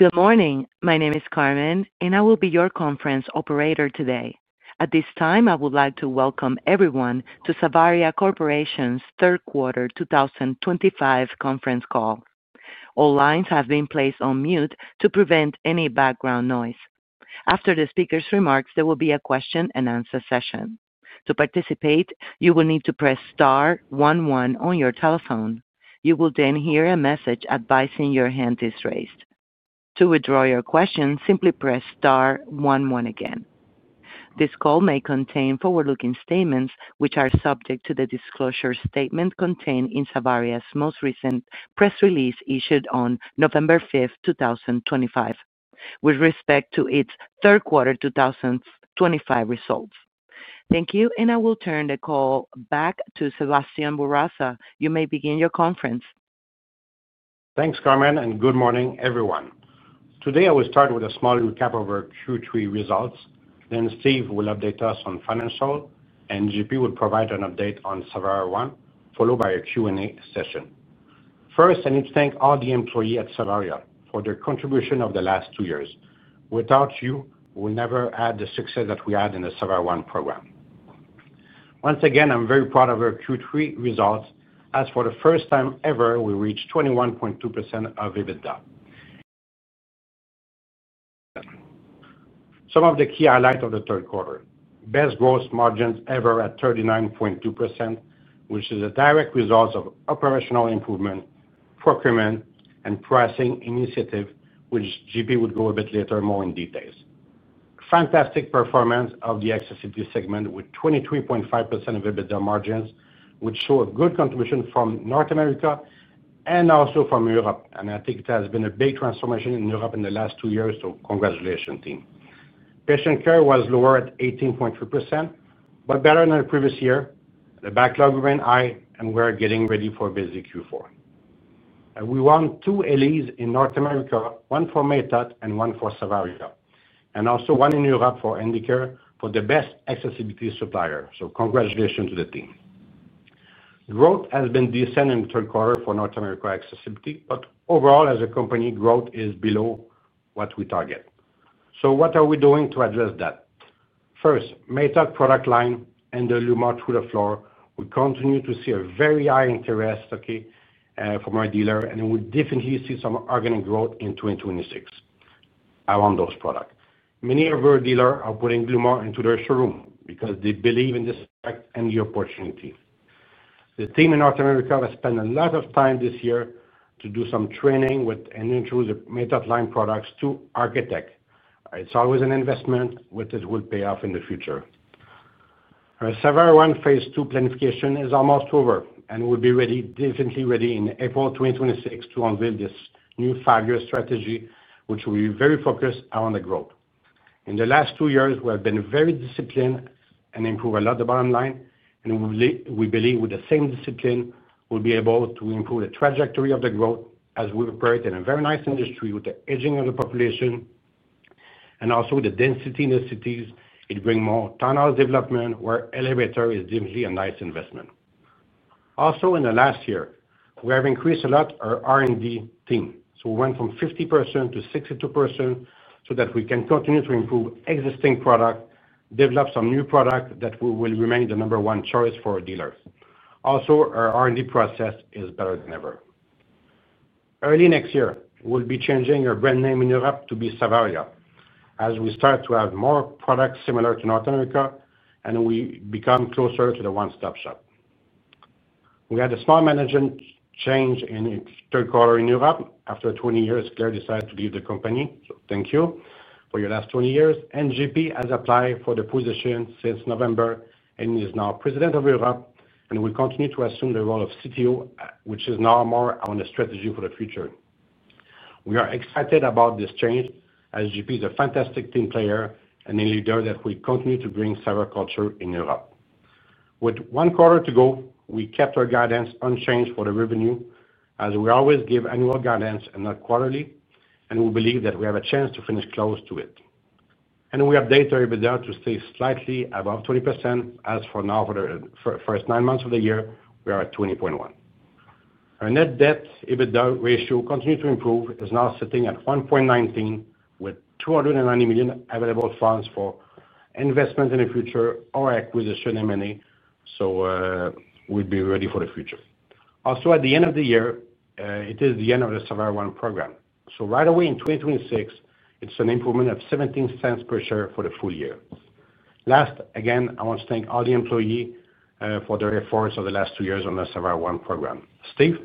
Good morning. My name is Carmen, and I will be your conference operator today. At this time, I would like to welcome everyone to Savaria Corporation's third quarter 2025 conference call. All lines have been placed on mute to prevent any background noise. After the speaker's remarks, there will be a question-and-answer session. To participate, you will need to press star one one on your telephone. You will then hear a message advising your hand is raised. To withdraw your question, simply press star one one again. This call may contain forward-looking statements, which are subject to the disclosure statement contained in Savaria's most recent press release issued on November 5th, 2025, with respect to its third quarter 2025 results. Thank you, and I will turn the call back to Sébastien Bourassa. You may begin your conference. Thanks, Carmen, and good morning, everyone. Today, I will start with a small recap of our Q3 results. Then Steve will update us on financial, and JP will provide an update on Savaria One, followed by a Q&A session. First, I need to thank all the employees at Savaria for their contribution over the last two years. Without you, we'll never have the success that we had in the Savaria One program. Once again, I'm very proud of our Q3 results. As for the first time ever, we reached 21.2% of EBITDA. Some of the key highlights of the third quarter: best gross margins ever at 39.2%, which is a direct result of operational improvement, procurement, and pricing initiative, which JP will go a bit later more in detail. Fantastic performance of the Accessibility segment with 23.5% of EBITDA margins, which show a good contribution from North America and also from Europe. I think there has been a big transformation in Europe in the last two years, so congratulations, team. Patient Care was lower at 18.3%, but better than the previous year. The backlog remained high, and we're getting ready for busy Q4. We won two Ellies in North America, one for Matot and one for Savaria, and also one in Europe for Handicare for the best Accessibility supplier. Congratulations to the team. Growth has been decent in the third quarter for North America Accessibility, but overall, as a company, growth is below what we target. What are we doing to address that? First, Matot product line and the Luma to the floor, we continue to see a very high interest, okay, from our dealer, and we'll definitely see some organic growth in 2026. I want those products. Many of our dealers are putting Luma into their showroom because they believe in this tech and the opportunity. The team in North America has spent a lot of time this year to do some training and introduce the Matot line products to architects. It's always an investment, but it will pay off in the future. Savaria One phase two planification is almost over, and we'll be ready, definitely ready in April 2026 to unveil this new five-year strategy, which will be very focused on the growth. In the last two years, we have been very disciplined and improved a lot of the bottom line, and we believe with the same discipline, we'll be able to improve the trajectory of the growth as we operate in a very nice industry with the aging of the population. Also, the density in the cities, it brings more tunnel development where elevator is definitely a nice investment. Also, in the last year, we have increased a lot our R&D team. We went from 50% to 62% so that we can continue to improve existing products, develop some new products that will remain the number one choice for our dealers. Also, our R&D process is better than ever. Early next year, we'll be changing our brand name in Europe to be Savaria as we start to have more products similar to North America and we become closer to the one-stop shop. We had a small management change in the third quarter in Europe. After 20 years, Claire decided to leave the company, so thank you for your last 20 years. JP has applied for the position since November and is now President of Europe, and will continue to assume the role of CTO, which is now more on the strategy for the future. We are excited about this change as JP is a fantastic team player and a leader that will continue to bring Savaria culture in Europe. With one quarter to go, we kept our guidance unchanged for the revenue as we always give annual guidance and not quarterly, and we believe that we have a chance to finish close to it. We update our EBITDA to stay slightly above 20% as for now for the first nine months of the year, we are at 20.1%. Our net debt/EBITDA ratio continues to improve. It is now sitting at 1.19 with $290 million available funds for investment in the future or acquisition in many. We will be ready for the future. Also, at the end of the year, it is the end of the Savaria One program. Right away in 2026, it is an improvement of $0.17 per share for the full year. Last, again, I want to thank all the employees for their efforts over the last two years on the Savaria One program. Steve?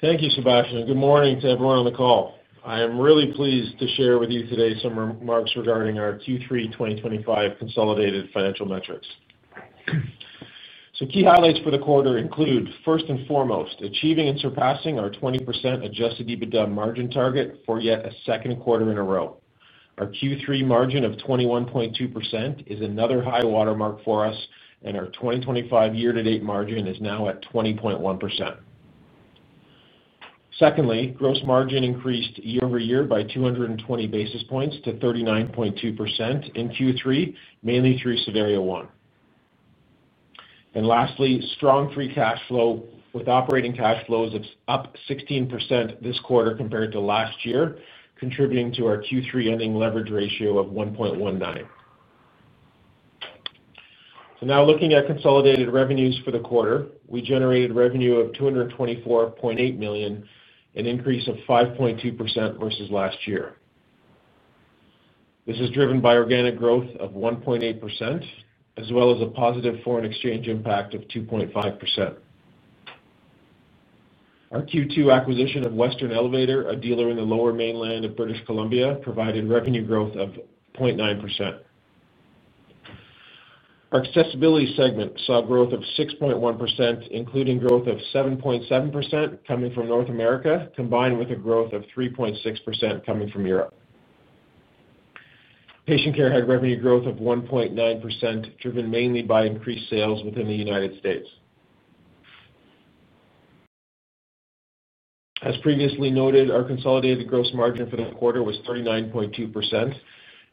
Thank you, Sebastian. Good morning to everyone on the call. I am really pleased to share with you today some remarks regarding our Q3 2025 consolidated financial metrics. Key highlights for the quarter include, first and foremost, achieving and surpassing our 20% adjusted EBITDA margin target for yet a second quarter in a row. Our Q3 margin of 21.2% is another high watermark for us, and our 2025 year-to-date margin is now at 20.1%. Secondly, gross margin increased year-over-year by 220 basis points to 39.2% in Q3, mainly through Savaria One. Lastly, strong free cash flow with operating cash flows up 16% this quarter compared to last year, contributing to our Q3 ending leverage ratio of 1.19. Now looking at consolidated revenues for the quarter, we generated revenue of $224.8 million, an increase of 5.2% versus last year. This is driven by organic growth of 1.8%, as well as a positive foreign exchange impact of 2.5%. Our Q2 acquisition of Western Elevator, a dealer in the lower mainland of British Columbia, provided revenue growth of 0.9%. Our Accessibility segment saw growth of 6.1%, including growth of 7.7% coming from North America, combined with a growth of 3.6% coming from Europe. Patient Care had revenue growth of 1.9%, driven mainly by increased sales within the United States. As previously noted, our consolidated gross margin for the quarter was 39.2%.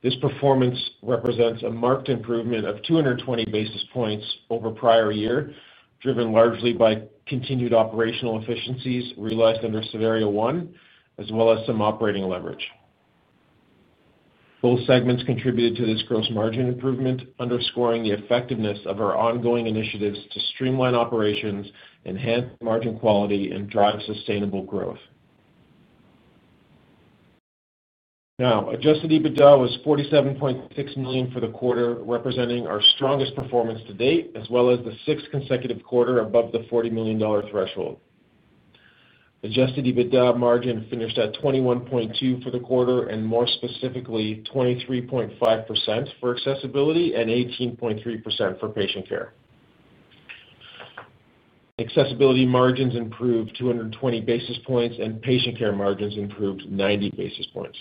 This performance represents a marked improvement of 220 basis points over prior year, driven largely by continued operational efficiencies realized under Savaria One, as well as some operating leverage. Both segments contributed to this gross margin improvement, underscoring the effectiveness of our ongoing initiatives to streamline operations, enhance margin quality, and drive sustainable growth. Now, adjusted EBITDA was $47.6 million for the quarter, representing our strongest performance to date, as well as the sixth consecutive quarter above the $40 million threshold. Adjusted EBITDA margin finished at 21.2% for the quarter, and more specifically, 23.5% for Accessibility and 18.3% for Patient Care. Accessibility margins improved 220 basis points, and Patient Care margins improved 90 basis points.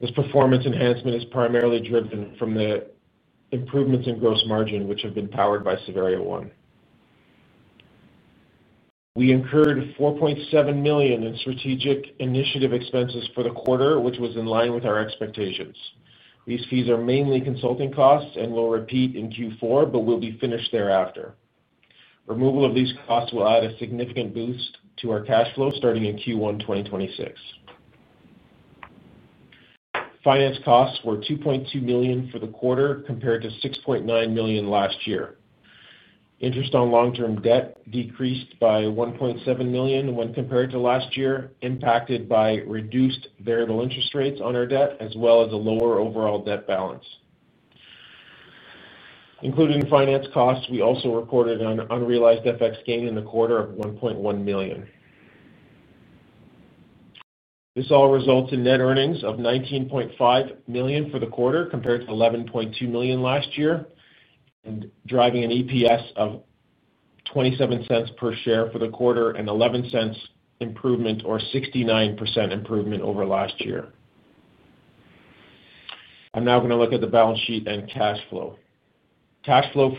This performance enhancement is primarily driven from the improvements in gross margin, which have been powered by Savaria One. We incurred $4.7 million in strategic initiative expenses for the quarter, which was in line with our expectations. These fees are mainly consulting costs and will repeat in Q4, but will be finished thereafter. Removal of these costs will add a significant boost to our cash flow starting in Q1 2026. Finance costs were $2.2 million for the quarter, compared to $6.9 million last year. Interest on long-term debt decreased by $1.7 million when compared to last year, impacted by reduced variable interest rates on our debt, as well as a lower overall debt balance. Including finance costs, we also reported an unrealized FX gain in the quarter of $ 1.1 million. This all results in net earnings of $19.5 million for the quarter, compared to $11.2 million last year, and driving an EPS of $0.27 per share for the quarter and $0.11 improvement, or 69% improvement over last year. I'm now going to look at the balance sheet and cash flow. Cash flow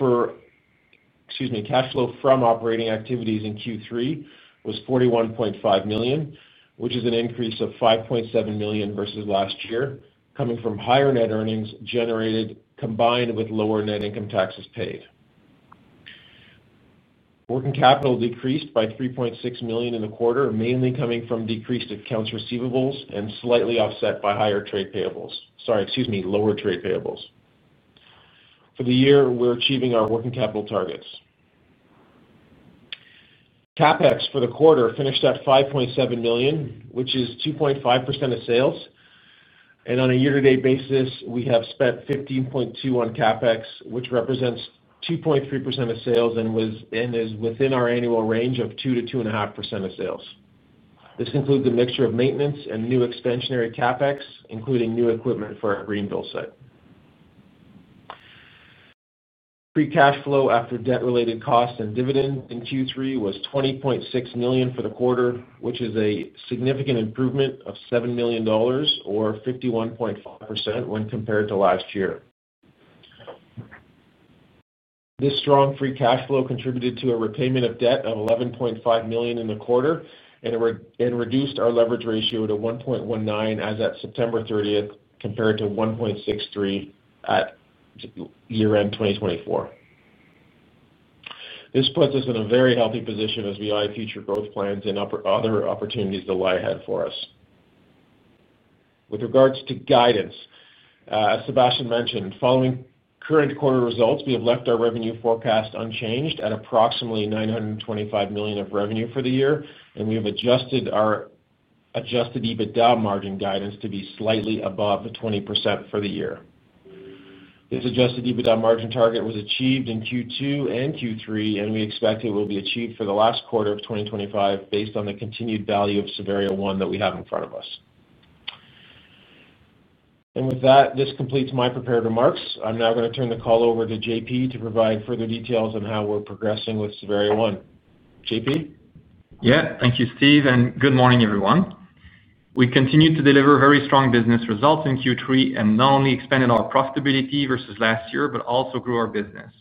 from operating activities in Q3 was $41.5 million, which is an increase of $5.7 million versus last year, coming from higher net earnings generated combined with lower net income taxes paid. Working capital decreased by $3.6 million in the quarter, mainly coming from decreased accounts receivables and slightly offset by higher trade payables. Sorry, excuse me, lower trade payables. For the year, we're achieving our working capital targets. CapEx for the quarter finished at $5.7 million, which is 2.5% of sales. On a year-to-date basis, we have spent $15.2 million on CapEx, which represents 2.3% of sales and is within our annual range of 2%-2.5% of sales. This includes a mixture of maintenance and new expansionary CapEx, including new equipment for our Greenville site. Free cash flow after debt-related costs and dividends in Q3 was $20.6 million for the quarter, which is a significant improvement of $7 million, or 51.5%, when compared to last year. This strong free cash flow contributed to a repayment of debt of $11.5 million in the quarter and reduced our leverage ratio to 1.19 as at September 30th compared to 1.63 at year-end 2024. This puts us in a very healthy position as we eye future growth plans and other opportunities that lie ahead for us. With regards to guidance, as Sebastian mentioned, following current quarter results, we have left our revenue forecast unchanged at approximately $925 million of revenue for the year, and we have adjusted our adjusted EBITDA margin guidance to be slightly above 20% for the year. This adjusted EBITDA margin target was achieved in Q2 and Q3, and we expect it will be achieved for the last quarter of 2025 based on the continued value of Savaria One that we have in front of us. With that, this completes my prepared remarks. I'm now going to turn the call over to JP to provide further details on how we're progressing with Savaria One. JP? Yeah. Thank you, Steve. And good morning, everyone. We continue to deliver very strong business results in Q3 and not only expanded our profitability versus last year, but also grew our business.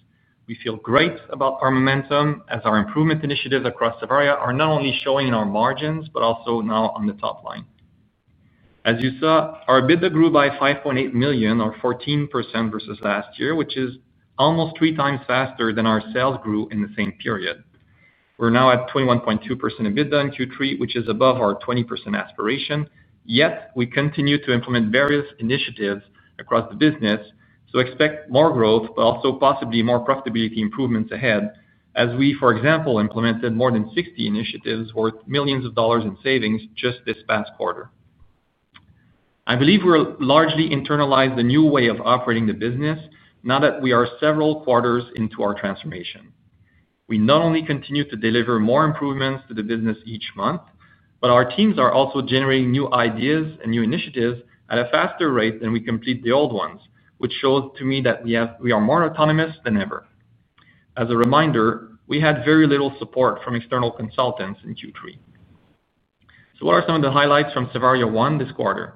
We feel great about our momentum as our improvement initiatives across Savaria are not only showing in our margins, but also now on the top line. As you saw, our EBITDA grew by $5.8 million, or 14% versus last year, which is almost three times faster than our sales grew in the same period. We're now at 21.2% EBITDA in Q3, which is above our 20% aspiration. Yet, we continue to implement various initiatives across the business, so expect more growth, but also possibly more profitability improvements ahead as we, for example, implemented more than 60 initiatives worth millions of dollars in savings just this past quarter. I believe we'll largely internalize the new way of operating the business now that we are several quarters into our transformation. We not only continue to deliver more improvements to the business each month, but our teams are also generating new ideas and new initiatives at a faster rate than we complete the old ones, which shows to me that we are more autonomous than ever. As a reminder, we had very little support from external consultants in Q3. What are some of the highlights from Savaria One this quarter?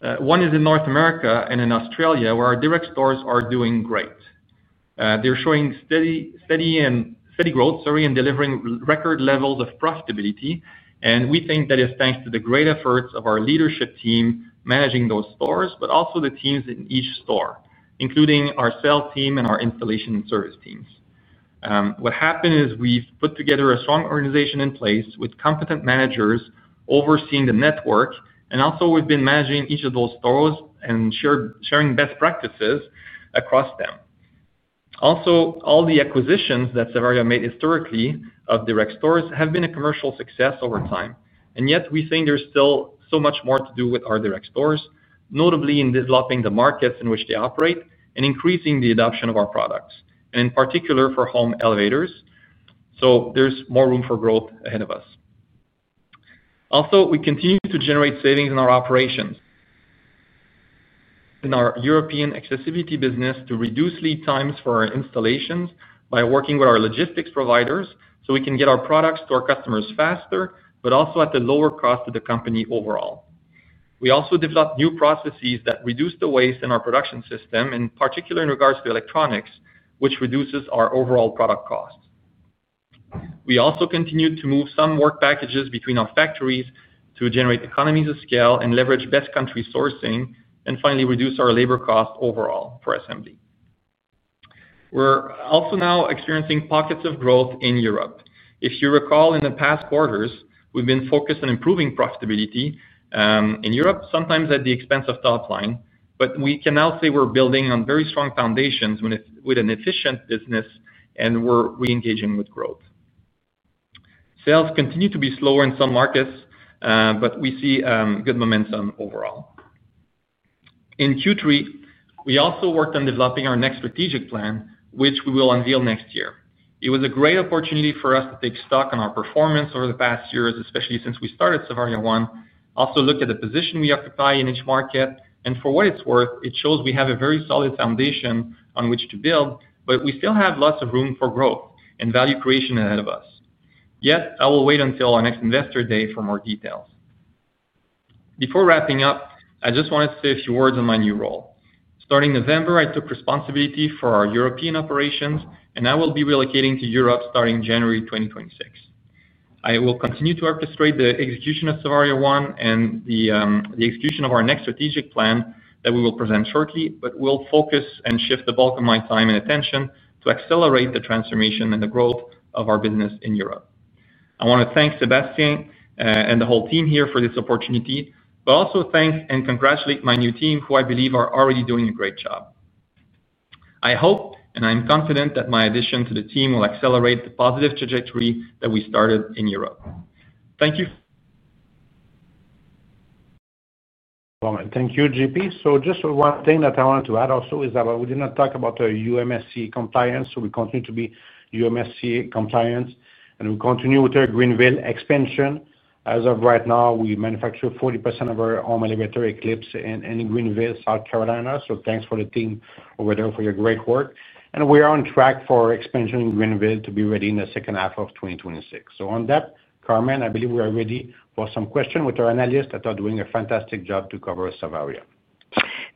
One is in North America and in Australia, where our direct stores are doing great. They're showing steady growth, sorry, and delivering record levels of profitability. We think that is thanks to the great efforts of our leadership team managing those stores, but also the teams in each store, including our sales team and our installation and service teams. What happened is we've put together a strong organization in place with competent managers overseeing the network, and also we've been managing each of those stores and sharing best practices across them. Also, all the acquisitions that Savaria made historically of direct stores have been a commercial success over time. Yet, we think there's still so much more to do with our direct stores, notably in developing the markets in which they operate and increasing the adoption of our products, in particular for home elevators. There is more room for growth ahead of us. Also, we continue to generate savings in our operations. In our European Accessibility business, to reduce lead times for our installations by working with our logistics providers so we can get our products to our customers faster, but also at the lower cost of the company overall. We also developed new processes that reduce the waste in our production system, in particular in regards to electronics, which reduces our overall product cost. We also continue to move some work packages between our factories to generate economies of scale and leverage best country sourcing, and finally, reduce our labor cost overall for assembly. We're also now experiencing pockets of growth in Europe. If you recall, in the past quarters, we've been focused on improving profitability in Europe, sometimes at the expense of top line, but we can now say we're building on very strong foundations with an efficient business, and we're re-engaging with growth. Sales continue to be slower in some markets, but we see good momentum overall. In Q3, we also worked on developing our next strategic plan, which we will unveil next year. It was a great opportunity for us to take stock on our performance over the past years, especially since we started Savaria One, also look at the position we occupy in each market. For what it's worth, it shows we have a very solid foundation on which to build, but we still have lots of room for growth and value creation ahead of us. Yet, I will wait until our next investor day for more details. Before wrapping up, I just wanted to say a few words on my new role. Starting November, I took responsibility for our European operations, and I will be relocating to Europe starting January 2026. I will continue to orchestrate the execution of Savaria One and the execution of our next strategic plan that we will present shortly, but we'll focus and shift the bulk of my time and attention to accelerate the transformation and the growth of our business in Europe. I want to thank Sébastien and the whole team here for this opportunity, but also thank and congratulate my new team, who I believe are already doing a great job. I hope, and I'm confident that my addition to the team will accelerate the positive trajectory that we started in Europe. Thank you. Thank you, JP. Just one thing that I wanted to add also is that we did not talk about our USMCA compliance. We continue to be USMCA compliant, and we continue with our Greenville expansion. As of right now, we manufacture 40% of our home elevator Eclipse in Greenville, South Carolina. Thanks for the team over there for your great work. We are on track for expansion in Greenville to be ready in the second half of 2026. On that, Carmen, I believe we are ready for some questions with our analysts that are doing a fantastic job to cover Savaria.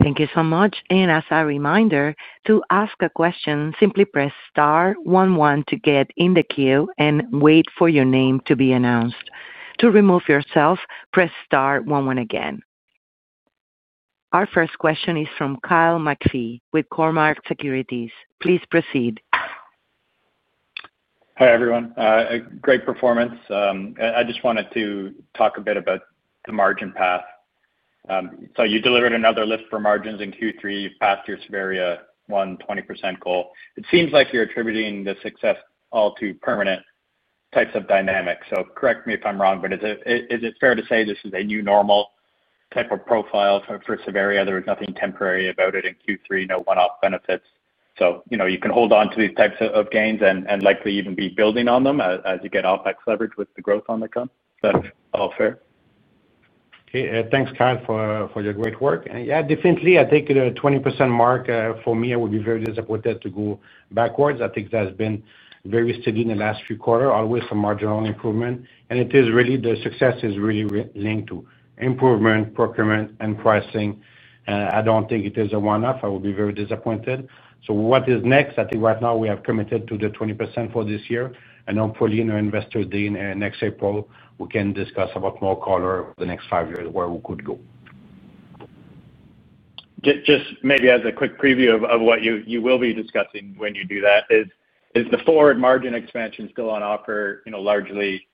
Thank you so much. As a reminder, to ask a question, simply press star one one to get in the queue and wait for your name to be announced. To remove yourself, press star one one again. Our first question is from Kyle McPhee with Cormark Securities. Please proceed. Hi everyone. Great performance. I just wanted to talk a bit about the margin path. You delivered another lift for margins in Q3. You have passed your Savaria One 20% goal. It seems like you are attributing the success all to permanent types of dynamics. Correct me if I am wrong, but is it fair to say this is a new normal type of profile for Savaria? There was nothing temporary about it in Q3, no one-off benefits. You can hold on to these types of gains and likely even be building on them as you get OpEx leverage with the growth on the comp. Is that all fair? Thanks, Kyle, for your great work. Yeah, definitely, I think the 20% mark for me, I would be very disappointed to go backwards. I think that has been very steady in the last few quarters, always a marginal improvement. It is really the success is really linked to improvement, procurement, and pricing. I do not think it is a one-off. I would be very disappointed. What is next? I think right now we have committed to the 20% for this year. Hopefully, in our investor day next April, we can discuss about more color over the next five years where we could go. Just maybe as a quick preview of what you will be discussing when you do that, is the forward margin expansion still on offer largely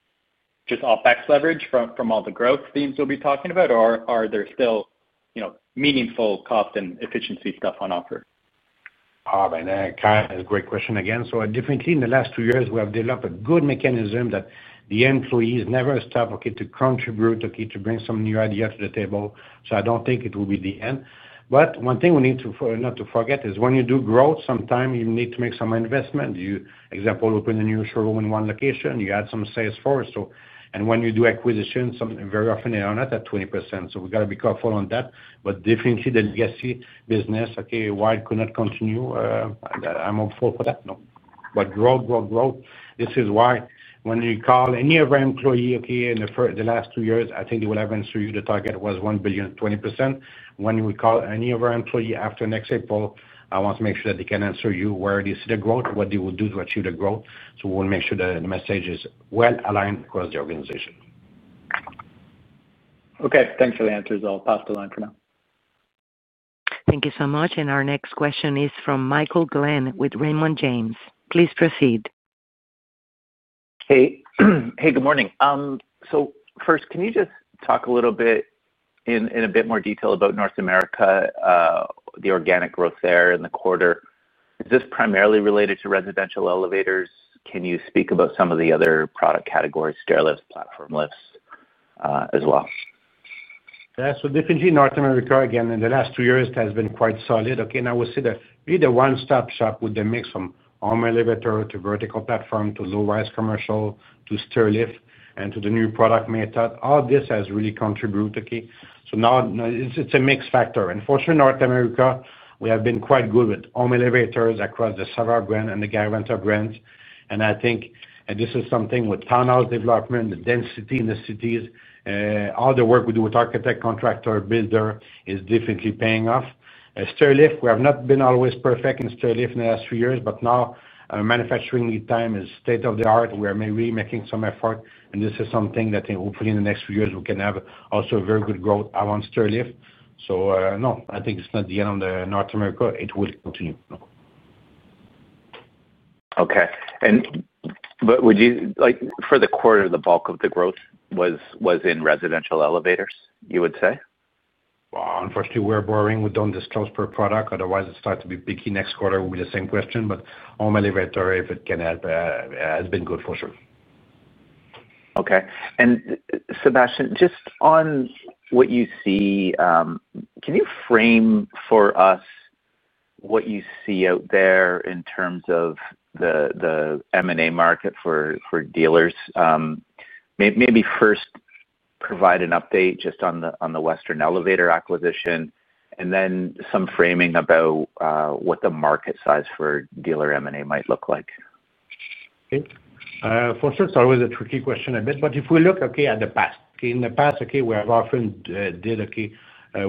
just OpEx leverage from all the growth themes we'll be talking about, or are there still meaningful cost and efficiency stuff on offer? All right. Kyle, great question again. Definitely, in the last two years, we have developed a good mechanism that the employees never stop to contribute, to bring some new ideas to the table. I do not think it will be the end. One thing we need to not forget is when you do growth, sometimes you need to make some investment. For example, open a new showroom in one location, you add some sales force. When you do acquisitions, very often they are not at 20%. We have got to be careful on that. Definitely, the legacy business, okay, why it could not continue. I am hopeful for that. Growth, growth, growth. This is why when you call any of our employees in the last two years, I think they will have answered you. The target was $1 billion 20%. When you call any of our employees after next April, I want to make sure that they can answer you where they see the growth, what they will do to achieve the growth. We want to make sure that the message is well aligned across the organization. Okay. Thanks for the answers. I'll pass the line for now. Thank you so much. Our next question is from Michael Glen with Raymond James. Please proceed. Hey. Hey, good morning. First, can you just talk a little bit, in a bit more detail about North America, the organic growth there in the quarter? Is this primarily related to residential elevators? Can you speak about some of the other product categories, stairlifts, platform lifts as well? Yes. Definitely, North America, again, in the last two years, has been quite solid. I would say that really the one-stop shop with the mix from home elevator to vertical platform to low-rise commercial to stairlift and to the new product method, all this has really contributed. It is a mixed factor. Unfortunately, North America, we have been quite good with home elevators across the Savaria brand and the Garaventa brands. I think this is something with townhouse development, the density in the cities, all the work we do with architect, contractor, builder is definitely paying off. Stairlift, we have not been always perfect in stairlift in the last few years, but now our manufacturing lead time is state of the art. We are maybe making some effort. This is something that hopefully in the next few years, we can have also very good growth around stairlift. No, I think it's not the end of North America. It will continue. Okay. For the quarter, the bulk of the growth was in residential elevators, you would say? Unfortunately, we're borrowing. We don't disclose per product. Otherwise, it starts to be picky next quarter with the same question. Home elevator, if it can help, has been good for sure. Okay. Sebastian, just on what you see, can you frame for us what you see out there in terms of the M&A market for dealers? Maybe first provide an update just on the Western Elevator acquisition, and then some framing about what the market size for dealer M&A might look like. Okay. For sure, it's always a tricky question a bit. If we look at the past, in the past, we have often did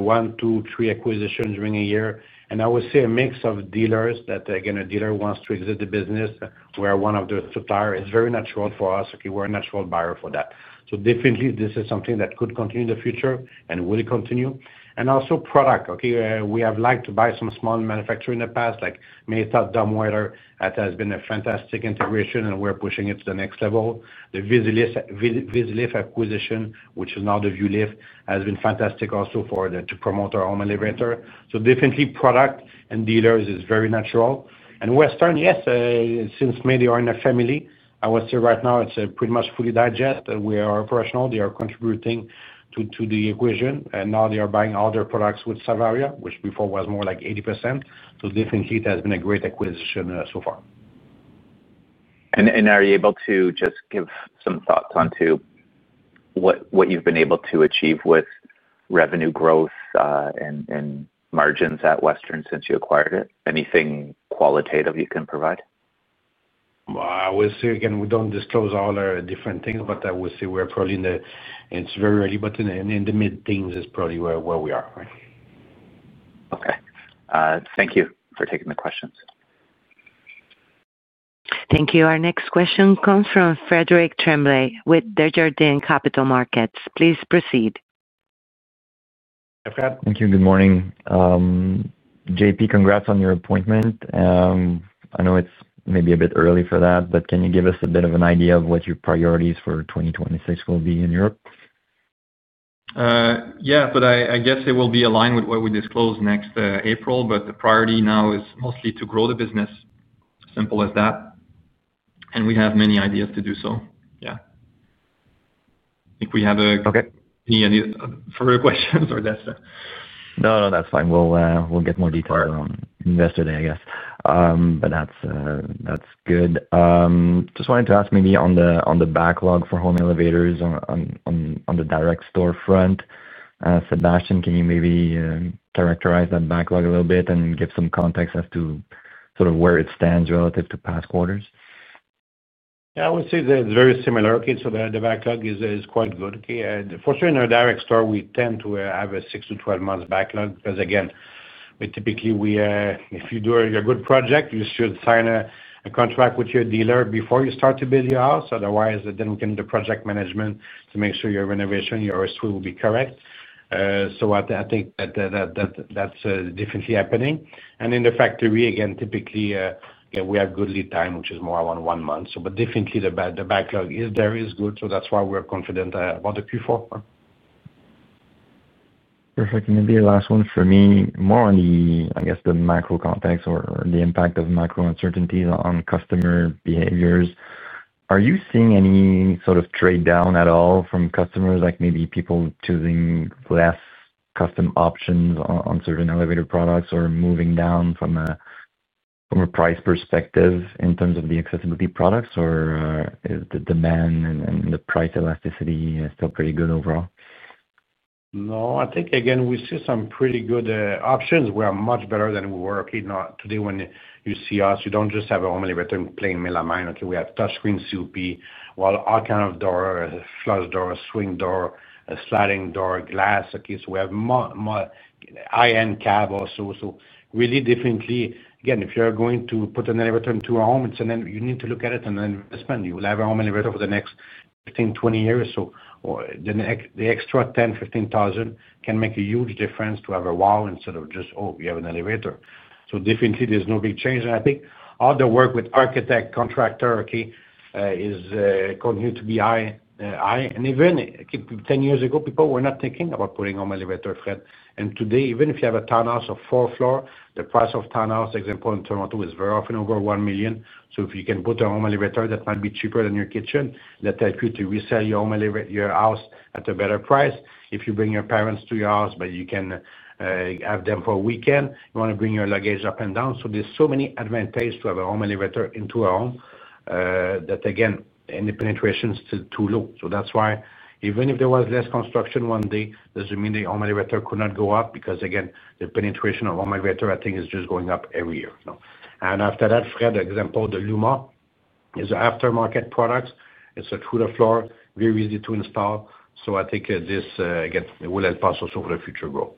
one, two, three acquisitions during a year. I would say a mix of dealers that, again, a dealer wants to exit the business. We are one of the suppliers. It's very natural for us. We're a natural buyer for that. Definitely, this is something that could continue in the future and will continue. Also product. We have liked to buy some small manufacturers in the past, like Matot Dumbwaiter. That has been a fantastic integration, and we're pushing it to the next level. The Visilift acquisition, which is now the Vuelift, has been fantastic also to promote our home elevator. Definitely, product and dealers is very natural. Western, yes, since maybe you are in a family, I would say right now it's pretty much fully digested. We are operational. They are contributing to the equation. Now they are buying all their products with Savaria, which before was more like 80%. Definitely, it has been a great acquisition so far. Are you able to just give some thoughts onto what you've been able to achieve with revenue growth and margins at Western since you acquired it? Anything qualitative you can provide? I would say, again, we don't disclose all our different things, but I would say we're probably in the—it's very early, but in the mid-teens is probably where we are. Okay. Thank you for taking the questions. Thank you. Our next question comes from Frederic Tremblay with Desjardins Capital Markets. Please proceed. Thank you. Good morning. JP, congrats on your appointment. I know it's maybe a bit early for that, but can you give us a bit of an idea of what your priorities for 2026 will be in Europe? Yeah, but I guess it will be aligned with what we disclose next April, but the priority now is mostly to grow the business. Simple as that. And we have many ideas to do so. Yeah. If we have any further questions or that's the— No, no, that's fine. We'll get more detail on investor day, I guess. That's good. Just wanted to ask maybe on the backlog for home elevators on the direct storefront. Sébastian, can you maybe characterize that backlog a little bit and give some context as to sort of where it stands relative to past quarters? Yeah, I would say that it's very similar. Okay. The backlog is quite good. Okay. For sure, in our direct store, we tend to have a six to 12 month backlog because, again, typically, if you do a good project, you should sign a contract with your dealer before you start to build your house. Otherwise, we can do project management to make sure your renovation will be correct. I think that that's definitely happening. In the factory, again, typically, we have good lead time, which is more around one month. Definitely, the backlog is there, is good. That's why we're confident about the Q4. Perfect. Maybe the last one for me, more on the, I guess, the macro context or the impact of macro uncertainties on customer behaviors. Are you seeing any sort of trade-down at all from customers, like maybe people choosing less custom options on certain elevator products or moving down from a price perspective in terms of the Accessibility products, or is the demand and the price elasticity still pretty good overall? No, I think, again, we see some pretty good options. We are much better than we were. Today, when you see us, you do not just have a home elevator and plain miller mine. Okay. We have touchscreen COP, well, all kinds of doors, flush doors, swing doors, sliding doors, glass. Okay. So we have high-end cab also. Really, definitely, again, if you are going to put an elevator into a home, you need to look at it as an investment. You will have a home elevator for the next 15-20 years. The extra [10,000-15,000] can make a huge difference to have a wall instead of just, "Oh, we have an elevator." Definitely, there is no big change. I think all the work with architect, contractor, okay, is continuing to be high. Even 10 years ago, people were not thinking about putting home elevators. Today, even if you have a townhouse of four floors, the price of townhouses, for example, in Toronto, is very often over $1 million. If you can put a home elevator that might be cheaper than your kitchen, that helps you to resell your house at a better price. If you bring your parents to your house, but you can have them for a weekend, you want to bring your luggage up and down. There are so many advantages to have a home elevator in a home. Again, any penetration is still too low. That is why even if there was less construction one day, it does not mean the home elevator could not go up because, again, the penetration of home elevator, I think, is just going up every year. After that, Fred, for example, the Luma is an aftermarket product. It's a two-to-floor, very easy to install. I think this, again, will help us also for the future growth.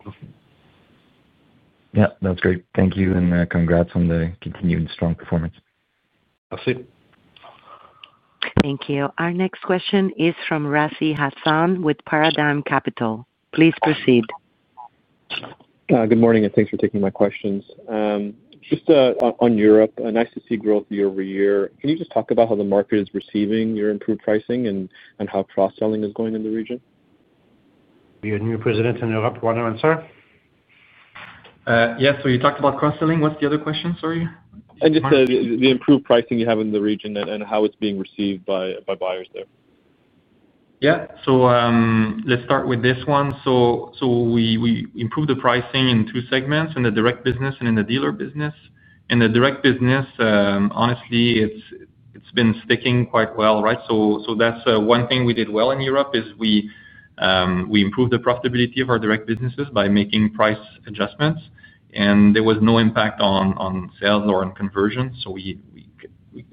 Yeah. That's great. Thank you. Congrats on the continued strong performance. Merci. Thank you. Our next question is from Razi Hasan with Paradigm Capital. Please proceed. Good morning and thanks for taking my questions. Just on Europe, nice to see growth year-over-year. Can you just talk about how the market is receiving your improved pricing and how cross-selling is going in the region? You're a new President in Europe. You want to answer? Yes. You talked about cross-selling. What's the other question, sorry? Just the improved pricing you have in the region and how it's being received by buyers there. Yeah. Let's start with this one. We improved the pricing in two segments, in the direct business and in the dealer business. In the direct business, honestly, it's been sticking quite well, right? That's one thing we did well in Europe is we improved the profitability of our direct businesses by making price adjustments. There was no impact on sales or on conversions. We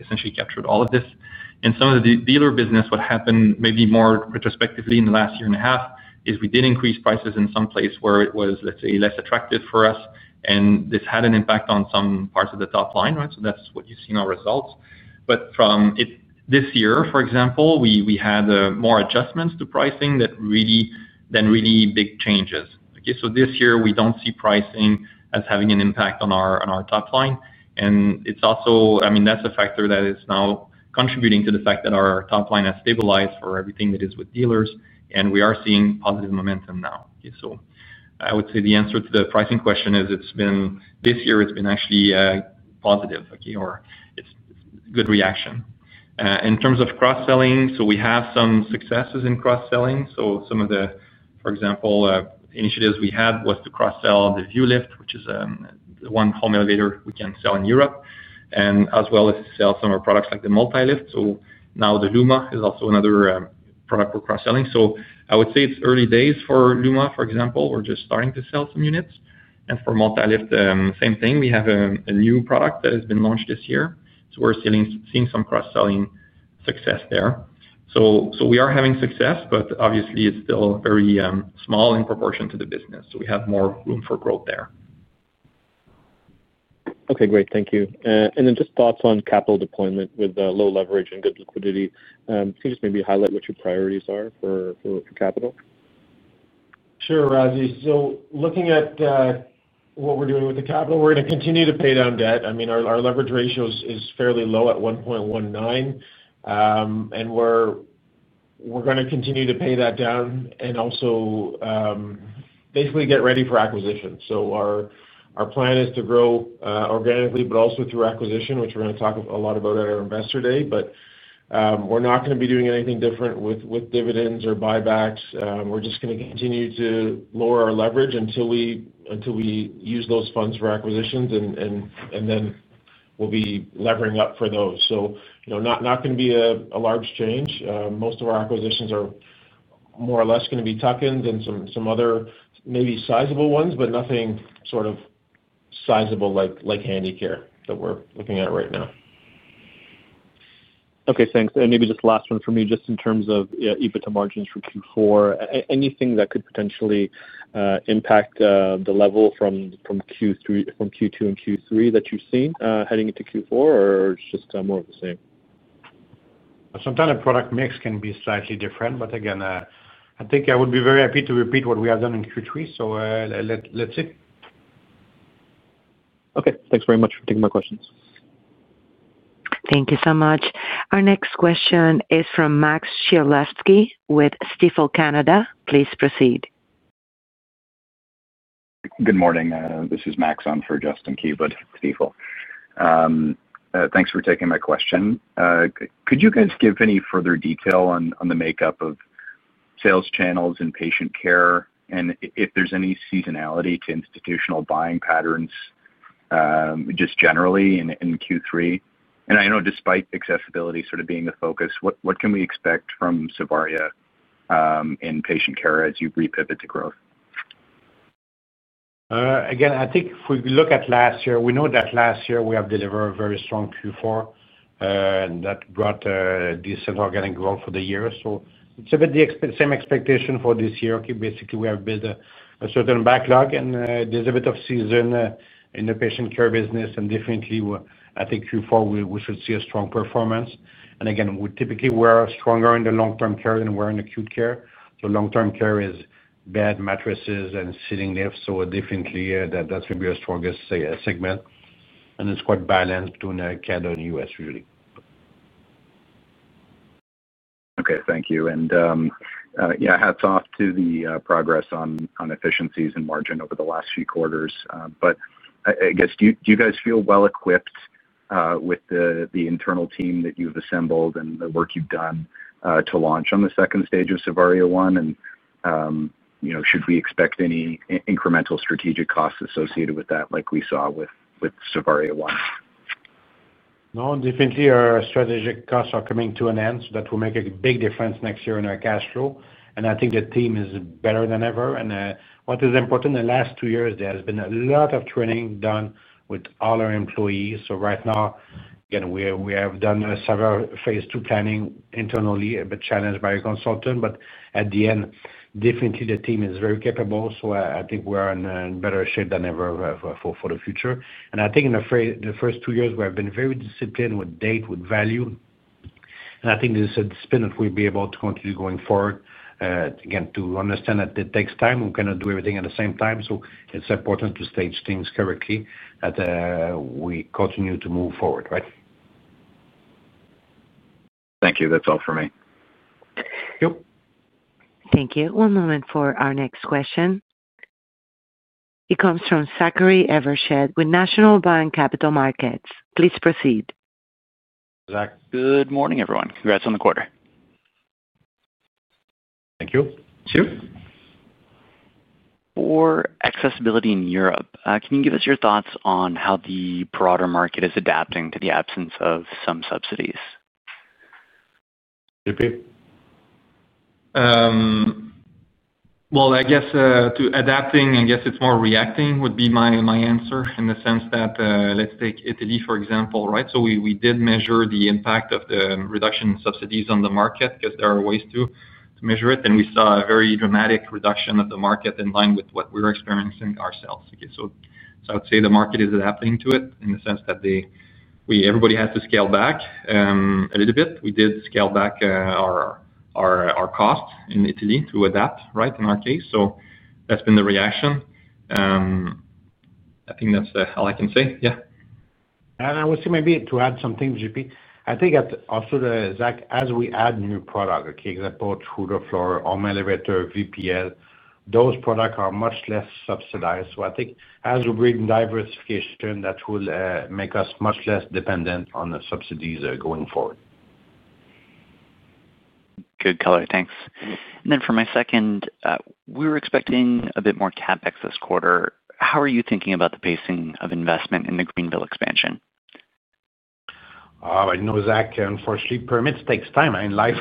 essentially captured all of this. In some of the dealer business, what happened maybe more retrospectively in the last year and a half is we did increase prices in some places where it was, let's say, less attractive for us. This had an impact on some parts of the top line, right? That's what you see in our results. From this year, for example, we had more adjustments to pricing than really big changes. Okay. This year, we do not see pricing as having an impact on our top line. It is also, I mean, that is a factor that is now contributing to the fact that our top line has stabilized for everything that is with dealers. We are seeing positive momentum now. Okay. I would say the answer to the pricing question is this year, it has been actually positive, okay, or it is a good reaction. In terms of cross-selling, we have some successes in cross-selling. Some of the, for example, initiatives we had were to cross-sell the Vuelift, which is the one home elevator we can sell in Europe, as well as sell some of our products like the Multilift. Now the Luma is also another product for cross-selling. I would say it is early days for Luma, for example. We are just starting to sell some units. For Multilift, same thing. We have a new product that has been launched this year. We are seeing some cross-selling success there. We are having success, but obviously, it is still very small in proportion to the business. We have more room for growth there. Okay. Great. Thank you. Then just thoughts on capital deployment with low leverage and good liquidity. Can you just maybe highlight what your priorities are for capital? Sure, Razi. Looking at what we're doing with the capital, we're going to continue to pay down debt. I mean, our leverage ratio is fairly low at 1.19. We're going to continue to pay that down and also basically get ready for acquisition. Our plan is to grow organically, but also through acquisition, which we're going to talk a lot about at our investor day. We're not going to be doing anything different with dividends or buybacks. We're just going to continue to lower our leverage until we use those funds for acquisitions, and then we'll be levering up for those. Not going to be a large change. Most of our acquisitions are more or less going to be tuck-ins and some other maybe sizable ones, but nothing sort of sizable like Handicare that we're looking at right now. Okay. Thanks. Maybe just the last one for me, just in terms of EBITDA margins for Q4, anything that could potentially impact the level from Q2 and Q3 that you've seen heading into Q4, or it's just more of the same? Sometimes the product mix can be slightly different. Again, I think I would be very happy to repeat what we have done in Q3. Let's see. Okay. Thanks very much for taking my questions. Thank you so much. Our next question is from Max Czmielewski with Stifel Canada. Please proceed. Good morning. This is Max on for Justin Keywood, Stifel. Thanks for taking my question. Could you guys give any further detail on the makeup of sales channels and Patient Care, and if there's any seasonality to institutional buying patterns? Just generally in Q3? I know despite Accessibility sort of being the focus, what can we expect from Savaria in Patient Care as you repivot to growth? Again, I think if we look at last year, we know that last year we have delivered a very strong Q4. That brought decent organic growth for the year. It is a bit the same expectation for this year. Basically, we have built a certain backlog, and there is a bit of season in the Patient Care business. Definitely, I think Q4, we should see a strong performance. Typically, we are stronger in the long-term care than we are in acute care. Long-term care is beds, mattresses, and sitting lifts. Definitely, that is going to be our strongest segment. It is quite balanced between the U.S., really. Okay. Thank you. Yeah, hats off to the progress on efficiencies and margin over the last few quarters. I guess, do you guys feel well-equipped with the internal team that you've assembled and the work you've done to launch on the second stage of Savaria One? Should we expect any incremental strategic costs associated with that like we saw with Savaria One? No, definitely, our strategic costs are coming to an end. That will make a big difference next year in our cash flow. I think the team is better than ever. What is important, in the last two years, there has been a lot of training done with all our employees. Right now, again, we have done several phase two planning internally, a bit challenged by a consultant. At the end, definitely, the team is very capable. I think we are in better shape than ever for the future. I think in the first two years, we have been very disciplined with date, with value. I think this is a discipline that we'll be able to continue going forward. Again, to understand that it takes time. We cannot do everything at the same time. It is important to stage things correctly. We continue to move forward, right? Thank you. That's all for me. Yep. Thank you. One moment for our next question. It comes from Zachary Evershed with National Bank Financial. Please proceed. Zach? Good morning, everyone. Congrats on the quarter. Thank you. For Accessibility in Europe, can you give us your thoughts on how the broader market is adapting to the absence of some subsidies? I guess to adapting, I guess it's more reacting would be my answer in the sense that let's take Italy, for example, right? We did measure the impact of the reduction in subsidies on the market because there are ways to measure it. We saw a very dramatic reduction of the market in line with what we're experiencing ourselves. I would say the market is adapting to it in the sense that everybody has to scale back a little bit. We did scale back our costs in Italy to adapt, in our case. That's been the reaction. I think that's all I can say. Yeah. I would say maybe to add something, JP, I think also Zach, as we add new products, example, two-to-floor, home elevator, [VPL], those products are much less subsidized. I think as we bring diversification, that will make us much less dependent on the subsidies going forward. Good color. Thanks. For my second, we were expecting a bit more CapEx this quarter. How are you thinking about the pacing of investment in the Greenville expansion? I know, Zach, unfortunately, permits take time. I mean, life.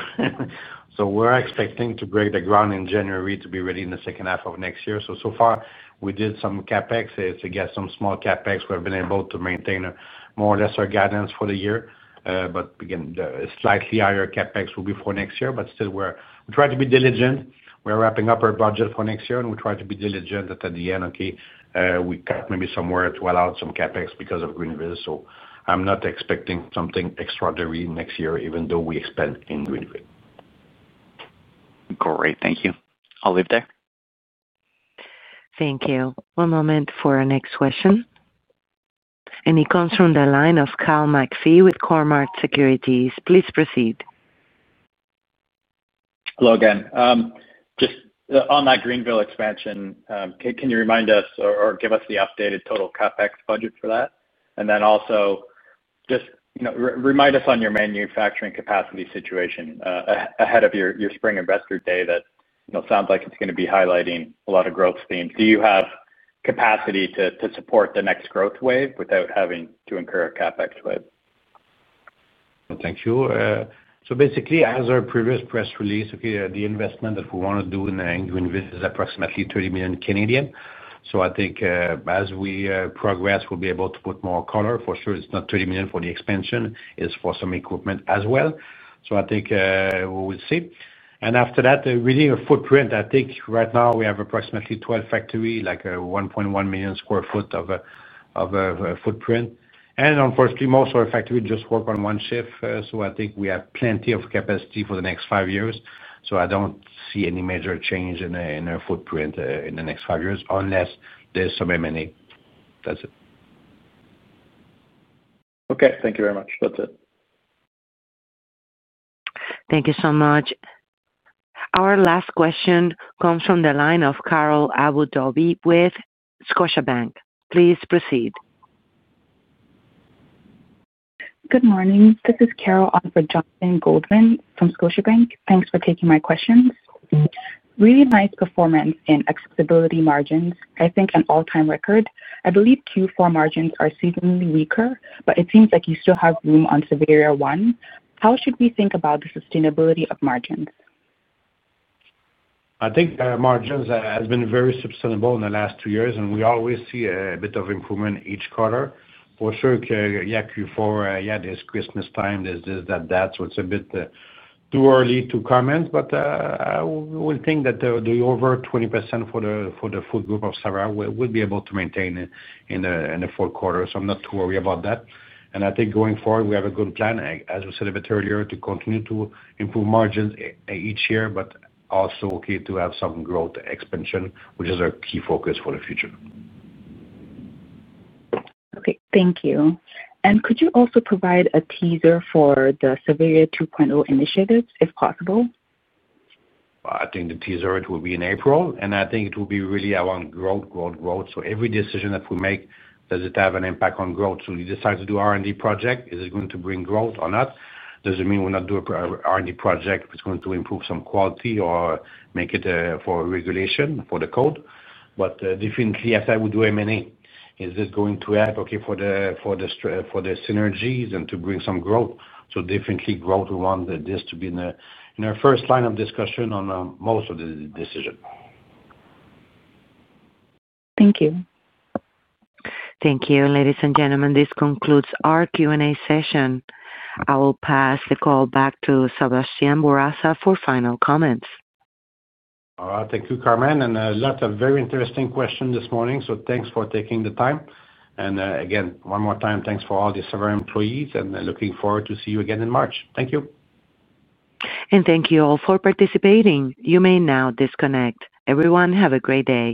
We're expecting to break the ground in January to be ready in the second half of next year. So far, we did some CapEx. It's again some small CapEx. We have been able to maintain more or less our guidance for the year. Again, slightly higher CapEx will be for next year. Still, we're trying to be diligent. We're wrapping up our budget for next year, and we try to be diligent that at the end, okay, we cut maybe somewhere to allow some CapEx because of Greenville. I'm not expecting something extraordinary next year, even though we expand in Greenville. Great. Thank you. I'll leave there. Thank you. One moment for our next question. It comes from the line of Kyle McPhee with Cormark Securities. Please proceed. Hello again. Just on that Greenville expansion, can you remind us or give us the updated total CapEx budget for that? Also, just remind us on your manufacturing capacity situation ahead of your spring investor day that sounds like it is going to be highlighting a lot of growth themes. Do you have capacity to support the next growth wave without having to incur a CapEx wave? Thank you. Basically, as our previous press release, the investment that we want to do in Greenville is approximately $30 million. I think as we progress, we'll be able to put more color. For sure, it's not $30 million for the expansion. It's for some equipment as well. I think we'll see. After that, really a footprint. Right now we have approximately 12 factories, like a 1.1 million sq ft footprint. Unfortunately, most of our factories just work on one shift. I think we have plenty of capacity for the next five years. I don't see any major change in our footprint in the next five years unless there's some M&A. That's it. Okay. Thank you very much. That's it. Thank you so much. Our last question comes from the line of Carol Adu-Bobie with Scotiabank. Please proceed. Good morning. This is [Carol Aubert-Johnson Goldman] from Scotiabank. Thanks for taking my questions. Really nice performance in Accessibility margins. I think an all-time record. I believe Q4 margins are seasonally weaker, but it seems like you still have room on Savaria One. How should we think about the sustainability of margins? I think margins have been very sustainable in the last two years, and we always see a bit of improvement each quarter. For sure, yeah, Q4, yeah, there's Christmas time, there's this, that. So it's a bit too early to comment, but we think that the over 20% for the food group of Savaria will be able to maintain in the fourth quarter. I'm not too worried about that. I think going forward, we have a good plan, as we said a bit earlier, to continue to improve margins each year, but also okay to have some growth expansion, which is our key focus for the future. Okay. Thank you. Could you also provide a teaser for the Savaria 2.0 initiatives, if possible? I think the teaser, it will be in April. I think it will be really around growth, growth, growth. Every decision that we make, does it have an impact on growth? We decide to do an R&D project. Is it going to bring growth or not? Does it mean we'll not do an R&D project if it's going to improve some quality or make it for regulation for the code? Definitely, as I would do M&A, is this going to help, okay, for the synergies and to bring some growth? Definitely, growth, we want this to be in our first line of discussion on most of the decision. Thank you. Thank you. Ladies and gentlemen, this concludes our Q&A session. I will pass the call back to Sébastien Bourassa for final comments. All right. Thank you, Carmen. A lot of very interesting questions this morning. Thanks for taking the time. Again, one more time, thanks for all the Savaria employees, and looking forward to see you again in March. Thank you. Thank you all for participating. You may now disconnect. Everyone, have a great day.